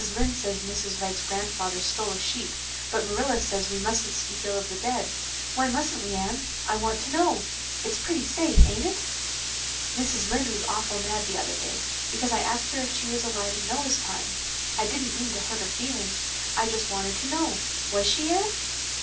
Lynde says Mrs. Wrights grandfather stole a sheep but Marilla says we mustent speak ill of the dead. Why mustent we, Anne? I want to know. It's pretty safe, ain't it? "Mrs. Lynde was awful mad the other day because I asked her if she was alive in Noah's time. I dident mean to hurt her feelings. I just wanted to know. Was she, Anne?